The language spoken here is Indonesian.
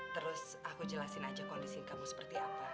terus aku jelasin aja kondisi kamu seperti apa